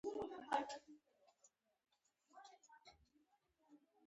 خو د ثابتې پانګې په پرتله یې وده کمزورې وي